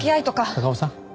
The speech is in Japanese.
高尾さん。